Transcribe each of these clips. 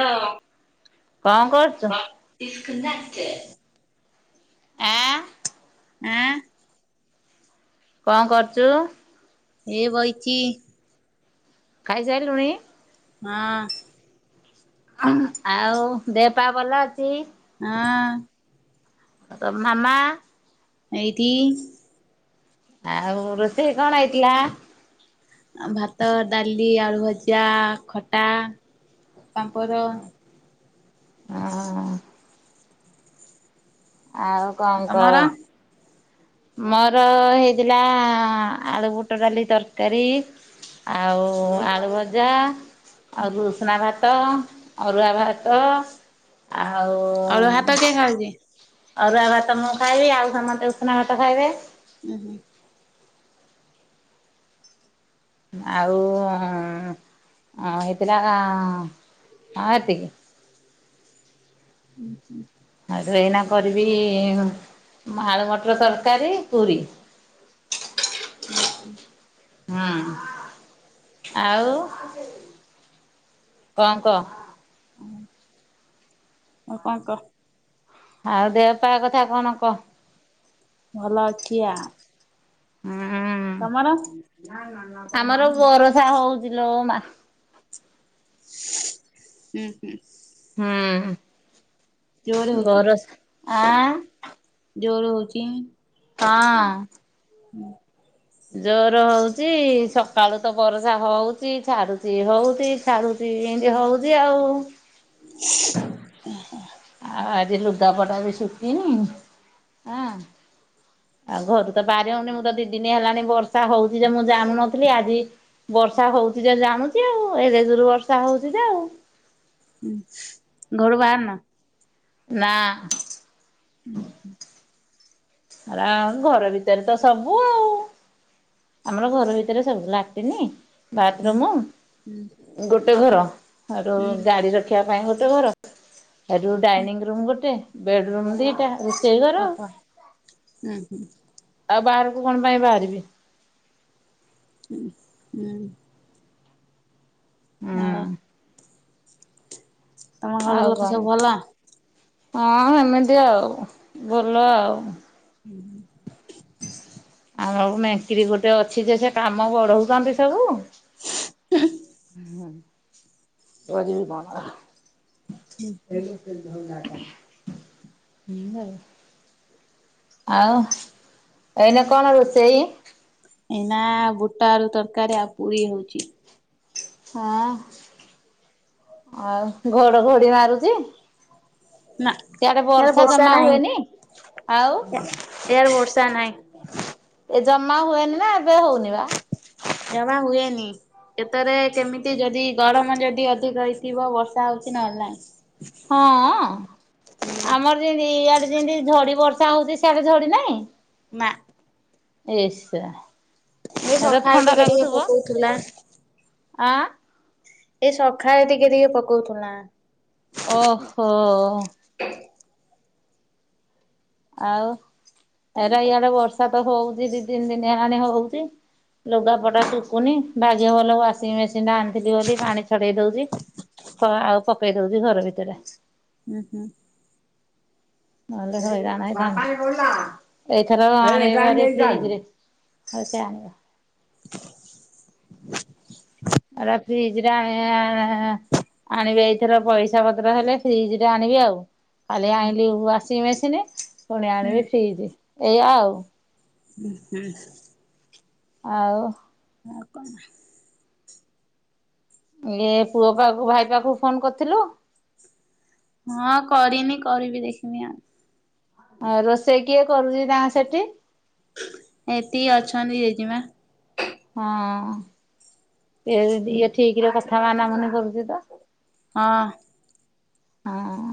ଆଁ କଣ କରୁଛ? Please connected. ଆଁ ଆଁ। କଣ କରୁଛୁ? ଏଇ ବଇଚି। ଖାଇ ସାରିଲୁଣି? ମା। ଆଉ ଦେହ ପା ଭଲ ଅଛି? ଆ। ତୋ ମାମା। ଏଇଠି। ଆଉ ରୋଷେଇ କଣ ହେଇଥିଲା? ଆଉ ଭାତ, ଡାଲି, ଆଳୁ ଭଜା, ଖଟା, ପାମ୍ପର ଆ ଆଉ କଣ ତମର କହ? ମୋର ହେଇଥିଲା ଆଳୁ ବୁଟ ଡାଲି ତରକାରୀ ଆଉ ଆଳୁ ଭଜା ଆଉ ଉଷୁନା ଭାତ। ଅରୁଆ ଭାତ। ଆଉ ଖ [unintelligible] ଅରୁଆ ଭାତ ମୁଁ ଖାଇବି। ଆଉ ସମସ୍ତେ ଉଷୁନା ଭାତ ଖାଇବେ। ଉୁଁ ହୁଁ। ଆଉ ହେଇଥିଲା ହଁ ଏତିକି। ହୁଁ ହୁଁ ଆଉଠୁ ଏଇନା କରିବି ଆଳୁ ମଟର ତରକାରୀ ପୁରୀ। ହୁଁ ହୁଁ ହଁ ଆଉ କଣ କହ। ହ ଆଉ କଣ କହ? ଆଉ ଦେହ ପା କଥା କଣ କହ? ଭଲ ଅଛି ଆ ହୁଁ। ତମର? ଆମର ବରସା ହଉଚି ଲୋ ମା। ଉଁ ହୁଁ। ହୁଁ ଜୋରେ ବରସ୍ ଆଁ? ଯୋଉ ହୋଉଚି। ହଁ। ହୁଁ। ଜୋରେ ହୋଉଚି ସକାଳୁ ତ ବରଷା ହୋଉଚି ଛାଡୁଚି ହୋଉଚି ଛାଡୁଚି ଏମତି ହୋଉଚି ଆଉ। ଓହ ଆଉ ଆଜି ଲୁଗାପଟା ବି ସୁକିନି ଆଁ ଆଉ ଘରୁ ତ ବାରି ହୋଉନି ମୁଁ ତ ଦିଦିନି ହେଲାଣି ବର୍ଷା ହୋଉଚି ଯେ ମୁଁ ଜାଣୁନଥୁଲି ଆଜି ବର୍ଷା ହେଉଚି ଯେ ଜାଣୁଚି ଆଉ ଏରେ ଜୁରେ ବର୍ଷା ହୋଉଚି ଯେ ଆଉ। ହୁଁ ଘରୁ ବାହାରନ? ନା। ଉଁ ହୁଁ। ହେରା ଆ ଘର ଭିତରେ ତ ସବୁ ଆଉ। ଆମର ଘର ଭିତରେ ସବୁ ଲାଟିନି ହୁଁ ବାଥରୁମୁ ହୁଁ ଗୋଟେ ଘର ଆରୁ ହୁଁ ଗାଡ଼ି ରଖିବା ପାଇଁ ଗୋଟେ ଘର। ଏ ରୁ ଡାଇନିଂ ରୁମ୍ ଗୋଟେ, ବେଡ ରୁମ୍ ଦିଟା। ରୋଷେଇ ଘର ଓହୋ ଉଁ ହୁଁ। ଆଉ ବାହାରକୁ କଣ ପାଇଁ ବାହାରିବି। ହୁ ହୁଁ। ଆଉ ହୁଁ ତମ ଘର ଆଉ ଲୋକ ସବୁ ଭଲ କଣ ହଁ ଏମିତି ଆଉ ଭଲ ଆଉ। ହୁଁ। ଆମ ମେଙ୍କିରି ଗୋଟେ ଅଛି ଯେ ସେ କାମ ବଢୋଉଚନ୍ତି ସବୁ। ହ କରିବି କଣ ଆ ଏ ହୁଁ ଆଉ ଆଉ ଏଇନା କଣ ରୋଷେଇ ଏଇନା ବୁଟା ଆରୁ ତରକାରୀ ଆଉ ପୁରୀ ହୋଉଚି। ହଁ ଆଉ ଘଡଘଡି ମାରୁଚି। ନା। ସିଆଡେ ଇଆଡ଼େ ବର୍ଷା ଜମା ନାହିଁ ହୁଏନି ଆଉ। ଇଆଡ଼େ ବର୍ଷା ନାହିଁ ଏ ଜମା ହୁଏନି ନା ଏବେ ହଉନି ବା। ଜମା ହୁଏନି। କେତରେ କେମିତି ଯଦି ଗରମ ଯଦି ଅଧିକ ହେଇଥିବ ବର୍ଷା ହୋଉଚି ନହେଲେ ନାଇଁ। ହଁଅ। ଆମର ଯେମିତି ଇଆଡେ ଯେମିତି ଝଡି ବର୍ଷା ହୋଉଚି ସ୍ୟାଡେ ଝଡି ନାହିଁ? ମା ଏ ଶା। ଏଇ ସଖାଳେ ଟିକେ ଟିକେ ପକୋଉଥୁଲା। ଆଁ। ଏଇ ସଖାଳେ ଟିକେ ଟିକେ ପକୋଉଥିଲା। ଓହୋ। ଆଉ ଏରା ଇଆଡେ ବର୍ଷା ତ ହୋଉଚି ଦିତିନି ଦିନି ହେଲାଣି ହୋଉଚି। ଲୁଗାପଟା ଶୁକୁନି ଭାଗ୍ୟ ଭଲ ୱାସିଂ ମେସିନଟା ଆଣିଥିଲି ବୋଲି ପାଣି ଛଡେଇ ଦୋଉଚି। ହ ଆଉ ପକେଇ ଦୋଉଚି ଘର ଭିତରେ। ଉଁ ହୁଁ। ନହଲେ ହଇରାଣ ହେଇଥାନ୍ତି ଏଇଥରକ [unintelligible] ଫ୍ରିଜରେ ହଉ ସେୟ ଆଣି ଏରା ଫ୍ରିଜ ଟା ଆ- ଆ ଆଣିବେ ଏଇଥର ପଇସା ପତ୍ର ହେଲେ ଫ୍ରିଜ୍ ଟେ ଆଣିବି ଆଉ। କାଲି ଆଣିଲି ୱାସିଂ ମେସିିନି ପୁଣି ହୁଁ ହୁଁ ଆଣିବି ଫ୍ରିଜ୍, ଏଇଆ ଆଉ। ଉଁ ହୁଁ। ଆଉ ଆଉ କଣ? ଇଏ ପୁଅ ପାଖକୁ ଭାଇ ପାଖକୁ ଫୋନ କରିଥିଲୁ? ହଁ କରିନି। କରିବି ଦେଖିନି ଆ ଆଉ ରୋଷେଇ କିଏ କରୁଛି ତାଙ୍କ ସେଠି? ଏଠି ଅଛନ୍ତି ଜେଜେମା। ହଁ। ଇଏ ଠିକ୍ ରେ କଥା ମାନାମୁନି କରୁଛି ତ? ହଁ। ହଁ।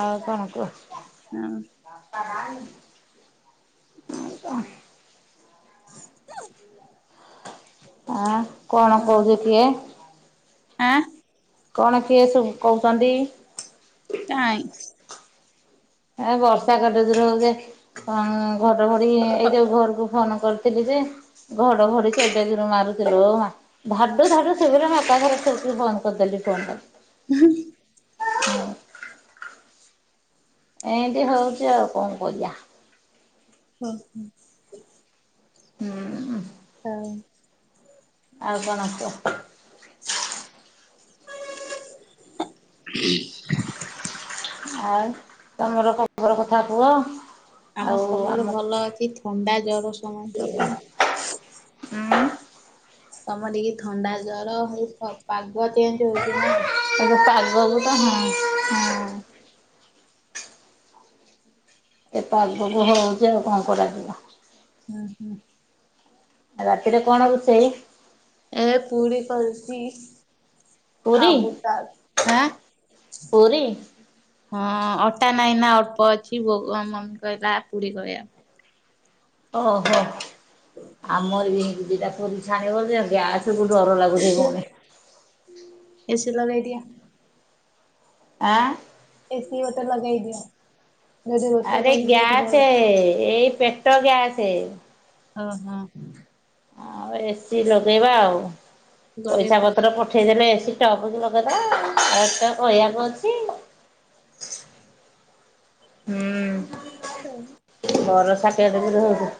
ଆଉ କଣ କୁହ? ହଁ। ବାପା ନାହିଁ? [unintelligible] ଆ କଣ କହୁଛି କିଏ? ଆ। କଣ କିଏ ସବୁ କହୁଛନ୍ତି? କାଇଁ? ଏ ବର୍ଷା କେଡେ ଜୋର ହେଉଛି, ଘଡ ଘଡି ଏ ଯଉ ଘରକୁ ଫୋନ୍ କରିଥିଲି ଯେ, ଘଡ ଘଡି କେଡେ ଜୋର୍ ମରୁଚି ଲୋ ମା। ଧାଡୁ ଧାଡୁ ଶୁଭିଲା ମୁଁ ଏକାଥରେ ଚୁପ କି ବନ୍ଦ କରିଦେଲି ଫୋନ ଟା। ହଁ। ଏମିତି ହଉଛି। ଆଉ କଣ କରିଆ? ହଁ ହଁ। ହୁଁ। ହଉ। ଆଉ କଣ କଅ? ଆଉ ତମର ଖବର କଥା କୁହ? ଆମ ଆଉ ଖବର ଆମ ଭଲ ଅଛି। ଥଣ୍ଡା ଜର ସମସ୍ଥିକି। ଉଁ ସମିତିକି ଥଣ୍ଡା ଜର ହେଇଥିବ। ପାଗ ଚେଞ୍ଜ ହଉଛି ନା। ଏବେ ପାଗ କୁ ତ ହଁ ହଁ। ଏ ପାଗକୁ ହୋଉଛି ଆଉ କଣ କରାଯିବ? ହୁଁ ହୁଁ। ଆଉ ରାତିରେ କଣ ରୋଷେଇ? ଏ ପୁରୀ କରୁଛି। ଆଉ ପୁରୀ ବୁଟ ଆଳୁ। ପୁରୀ ଆ ହଁ ଅଟା ନାଇଁ ନା ଅଳ୍ପ ଅଛି ମମି କହିଲା ପୁରୀ କହିବା- ଓହୋ। ଆମର ବି ଏମିତି ଦିଟା ପୁରୀ ଛାଣିବ ଯେ ଗ୍ୟା ସବୁ ଡର ଲାଗୁଛିି ପୁଣି ପାଇଁ। ଏସି ଲଗେଇ ଦିଅ। ଆଁ। ଏସିି ଗୋଟେ ଲଗେଇ ଦିଅ। ଯୋଉଠି ରୋଷେଇ ଆରେ କରୁଛି ସେଇଠି ଭଲ ଗ୍ୟାସେ। ଏଇ ପେଟ ଗ୍ୟାସେ। ଓ ହଁ। ଆଉ ଏସିି ଲଗେଇବା ଆଉ। ଗଦେଇ ପଇସା ପଡ ପତ୍ର ପଠେ ଓଠେଇଦେଲେ ଏସି ଟପ୍ କି ଲଗେଇଦବା ଆଉ। ହେଟା କହିବାକୁ ଅଛି। ହୁଁ। ବରଷା କେଡେ ଜୋରେ ହୋଉଛି?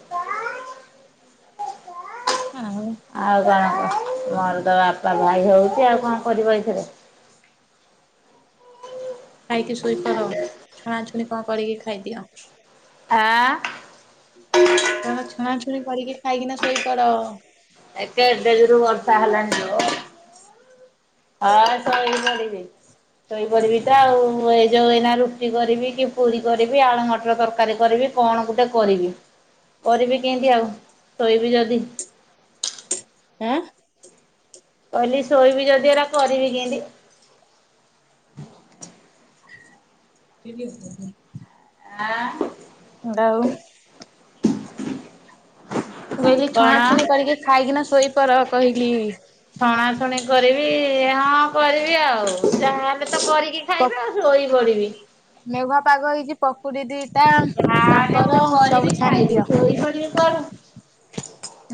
ଆଉ। ଆଉ କଣ କୁହ? ମୋର ତ ବାପା ଭାଇ ହଉଛି ଆଉ କଣ କରିବ ଏଇଥିରେ ଖାଇକି ଶୋଇପଡ଼। ଛଣାଛଣି କଣ କରିକି ଖାଇଦିଅ। ଆଁ? କଣ ଛଣାଛୁଣି କରିକି ଖାଇକିନା ଶୋଇପଡ଼। ଏ କେଡେଜୁରୁ ବର୍ଷା ହେଲାଣି ତ। ହଁ ଶୋଇପଡ଼ିବି ଶୋଇପଡିବି ତ ଆଉ ମୁଁ ଏଇ ଯୋଉ ଏଇନା ରୁଟି କରିବି କି ପୁରୀ କରିବି ଆଳୁ ମଟର ତରକାରୀ କରିବି କଣ ଗୋଟେ କରିବି। କରିବି କେମିତି ଆଉ ଶୋଇବି ଯଦି? ଆଁ? କହିଲି ଶୋଇବି ଯଦି ଏରା କରିବି କେମତି? କେ ହ ଆ ଅଣ୍ଡା ଆଳୁ ମୁଁ କହିଲି କଣ ଛଣାଛୁଣି କରିକି ଖାଇକିନା ଶୋଇପର କହିଲି। ଛଣା ଛୁଣି କରିବି ହଁ କରିବି ଆଉ ଯାହାହେଲେ ତ କରିକି ପ ଖାଇବି ଆଉ ଶୋଇ ପଡିବି। ମେଘୁଆ ପାଗ ହେଇଛି ପକୁଡି ଦିଟା ପାମ୍ପଡ ସବୁ ଛାଣିଦିଅ। ଏଇ ଯୋଡ଼ିକ କର।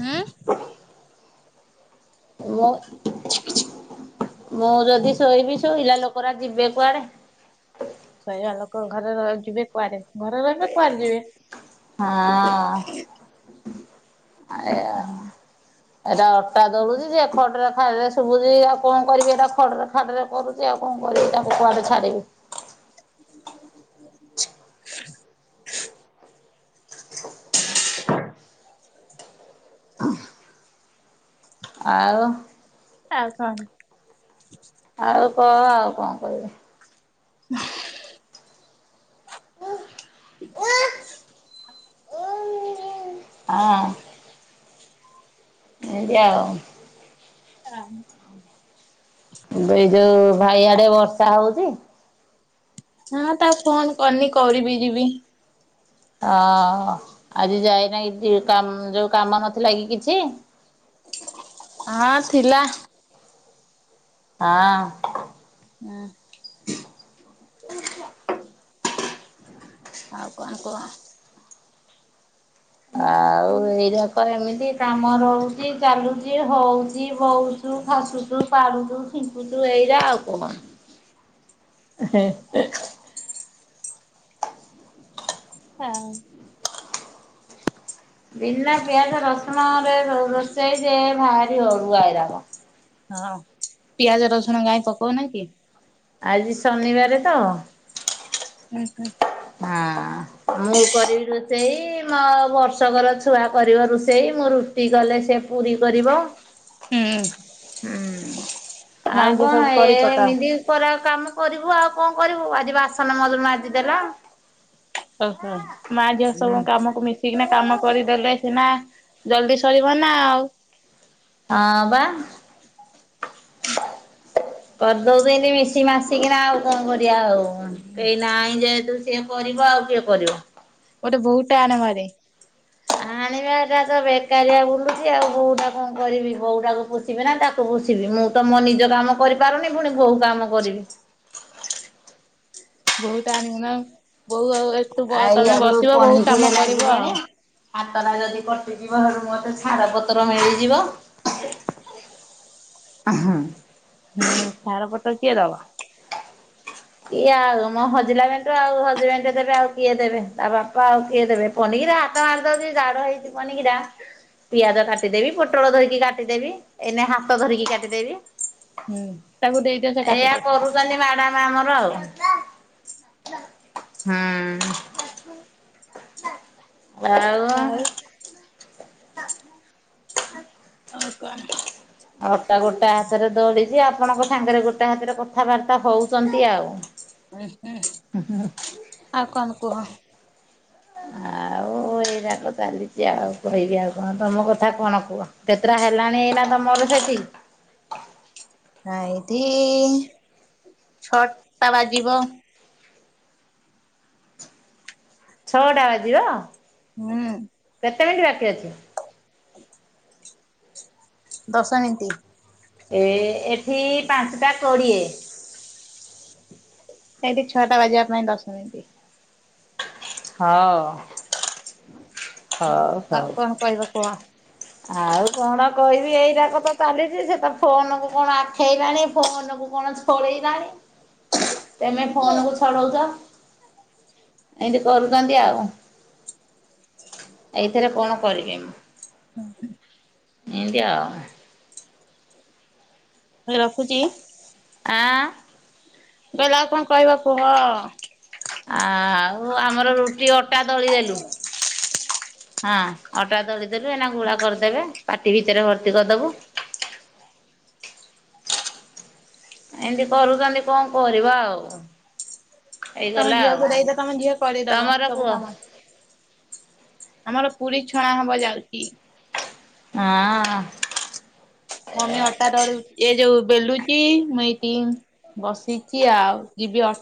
ଉଁ। ମୁଁ ଛିକ୍ ଛିକ ମୁଁ ଯଦି ଶୋଇବି ଶୋଇଲା ଲୋକରା ଯିବେ କୁଆଡେ? ଶୋଇବା ଲୋକ ଘରେ ରହି ଯିବେ କୁଆଡେ? ଘରେ ରହିବେ କୁଆଡ ଯିବେ। ହଁ ଆଇଆ ଏଇଟା ଅଟା ଦଳୁଛି ଯେ ଖଡରେ ଖାଡରେ ଶୁଭୁଛି। ଆଉ କଣ କରିବି ଏଟା ଖଡରେ ଖାଡରେ କରୁଛି ଚି ଆଉ କଣ କରିବି ତାଙ୍କୁ କୁଆଡେ ଛାଡିବି। ହଁ ଆଉ? ଆଉ କଣ? ଆଉ କହ ଆଉ କଣ କହିବି? ହ ହ ଓଁ ଏନ୍ତି ଆଉ। ହଁ। ବେଇ ଯୋଉ ଭାଇ ଆଡେ ବର୍ଷା ହଉଛି? ହଁ ତାକୁ ଫୋନ କରିନି କରିବି ଯିବି। ହଁ ଆଜି ଯାଏନାହି ଡି କାମ ଯୋଉ କାମ ନଥିଲା କି କିଛି? ହଁ ଥିଲା। ହଁ। ହଁ। ଆଉ କଣ କୁହ? ଆଉ ଏଇ ରାକ ଏମିତି କାମ ରହୁଛି ଚାଲୁଛି ହଉଛି ବଉଛୁ ଖାସୁଛୁ ପାଡୁଚୁ [unintelligible] ଏଇରାା ଆଉ କଣ। ହଁ। ବିନା ପିଆଜ ରସୁଣରେ ରୋଷେଇ ଯେ ଭାରି ଅରୁୁଆ ହେଇଲା। ହଁ ପିଆଜ ରସୁଣ ଗାଈଁ ପକଉ ନା କି? ଆଜି ଶନିବାର ତ। ହୁ ହୁଁ। ହଁ। ମୁଁ କରିବି ରୋଷେଇ ମୋ ବର୍ଷକର ଛୁଆ କରିବ ରୋଷେଇ ମୁଁ ର ଟି କଲେ ସେ ପୁରୀ କରିବ। ହୁଁ। ହୁଁ ଆଉ କଣ ସବୁ ଏ କରି ପକାଅ। ଏମିତି। କ କାମ କରିବୁ ଆଉ କଣ କରିବୁ ଆଜି ବାସନ ମ ମାଜି ଦେଲା। ଓହୋ ମା ଝିଅ ହଁ ସବୁ କାମକୁ ମିଶ ଠିକ ନା କାମ କରିଦେଲେ ସିନା ଜଲଦି ସରିବ ନା ଆଉ। ହଁ ବା। ବା କରିଦଉଛନ୍ତି ଏତି ମିଶି ମାସିକିନା ଆଉ କଣ କରିବା ଆଉ ଏ ନାହିଁ ଯେହେତୁ। ସିଏ କରିବ ଆଉ କିଏ କରିବ? ଗୋଟେ ବୋହୁ ଟେ ଆଣ ଭାରି। ଆାଣିବା ଏଟା ତ ବେକାରିଆ ବୁଲୁଛି ଆଉ ବୋଉଟା କଣ କରିବି? ବୋଉଟାକୁୁ ିବି ନା ତାକୁ ବସିବି ମୁଁ ତ ମୋ ନିଜ କାମ କରିପାରୁନି ପୁଣି ବୋହୁ କାମ କରିବି। ବୋହୁଟା ଆଣିବ ନା ଆଉ ଏତୁ ଆଉ ତମେ ଇଆଡୁ ବସିବ ବୋହୁ ପନିକିରେ କାମ କରିବ ଲାଗିଲେଣି ଆଉ। ହାତଟା ଯଦି କଟିଯିବ ହେଠୁଁ ମତେ ଛାଡ଼ପତ୍ର ହେଇଯିବ। ଆ ହଁ। ହୁଁ ସାାର ପଟ କିଏ ଦବା। କିଏ ଆଉ ମୋ ହଜିଲା ମେଣ୍ଟୁ ଆଉ ହଜିବେଣ୍ଡ ଦେବେ ଆଉ କିଏ ଦେବେ ତା ବାପା ଆଉ କିଏ ଦେବେ। ପନିକିରେ ହାତ ମାରିଦଉଛି ଦାଢ ହେଇଛି ପନିକିଟା। ପିଆଜ କାଟିଦେବି, ପୋଟଳ ଧୋଇକି କାଟିଦେବି, ଏନେ ହାତ ଧରିକି କାଟିଦେବି। ହୁଁ ତାକୁ ଦେଇଦିଅ ସେ କାଟିଦଉ। କନ୍ତି ମାଡାମ ଆମର ଆଉ। ହୁଁ ଆଉ। ଆ ଆଉ କଣ? ଅଟା ଗୋଟା ହାତରେ ଦଳିବି ଆପଣଙ୍କ ସାଙ୍ଗରେ ଗୋଟା ହାତରେ କଥାବାର୍ତ୍ତା ହଉଛନ୍ତି ଆଉ। ଉ ହୁଁ ଆଉ କଣ କୁହ। ଆଉ। ମୁଁ ଏଇଟା ତ ଚାଲିଛି। ଆଉ କହିବି ଆଉ କଣ ତମ କଥା କଣ କୁହ? କେତେଟା ହେଲାଣି ଏଇନା ତମର ସେଠି? ଏଠି ଛଅଟା ବାଜିବ। ଛଅଟା ବାଜିବ। ହୁଁ। କେତେ ମିନିଟ୍ ବାକି ଅଛି? ଦଶମିଣ୍ଟି। ଏ ଏଠି ପାଞ୍ଚଟା କୋଡ଼ିଏ। ସେଇଠି ଛଅଟା ବାଜିବା ପାଇଁ ଦଶ ମିନିଟ୍। ହଁ। ହଉ। ଆଉ କଣ କହିବା କୁହ। ଆଉ କଣ କହିବି ଏଇଟାକ ତ ଚାଲିଛି ସେ ତ ଫୋନକୁ କଣ ଆଖେଇଲାଣି ଫୋନକୁ କଣ ଳେଇଲାଣି ତମେ ଫୋନକୁ ଛଡଉଛ। ଏନ୍ତି କରୁଛନ୍ତି ଆଉ। ଏଇଥିରେ କଣ କରିବି ମୁଁ ଏମତି ଆଉ। ରଖୁଛି। ଆଁ। ଗଲା ଆଉ କଣ କହିବା କୁହ। ଆ ଆଉ ଆମର ରୁଟି ଅଟା ଦଳିଦେଲୁ। ହଁ ଅଟା ଦଳିଦେଲୁ ଏନା ଗୁଳା କରିଦେବେ ପାଟି ଭିତରେ ଭର୍ତ୍ତି କରିଦବୁ। ଏମିତି କରୁଛନ୍ତି କଣ କରିବା ଆଉ। ତମ ହେଇଗଲା ଝିଅକୁ ଆଉ। ଦେଇଦ ତମ ଝିଅ କରିଦବ ତମର ସବୁ କୁହ କାମ। ଆମର ପୁରୀ ଛଣା ହବ ଯାଉଛି। ହଁ। ମମି ଅଟା ଦଳୁ ଏ ଯୋଉ ବେଲୁଛି ମୁ ଏଇଠି। ବସଚି ଆଉ ଯିବି ଅ